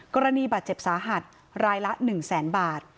กรณีบาดเจ็บสาหัสรายละ๑แสนบาท